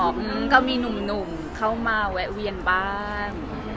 ก็มีหนุ่มเข้ามาแวะเวียนบ้าง